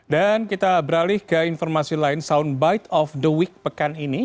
dan kita beralih ke informasi lain soundbite of the week pekan ini